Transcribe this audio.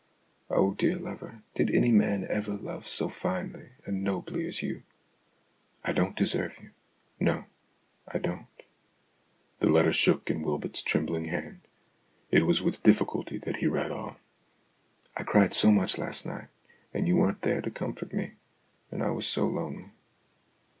Oh, dear lover, did any man ever love so finely and nobly as you ! I don't deserve you no, I don't." The letter shook in Wylmot's trembling hand. It was with difficulty that he read on :" I cried so much last night, and you weren't there to comfort me, and I was so lonely.